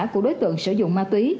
của đối tượng sử dụng ma túy